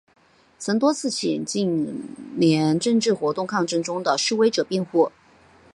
曾经多次替近年政治活动抗争中的示威者辩护。